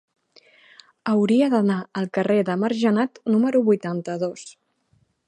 Hauria d'anar al carrer de Margenat número vuitanta-dos.